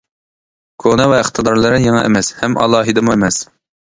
كونا ۋە ئىقتىدارلىرى يېڭى ئەمەس ھەم ئالاھىدىمۇ ئەمەس.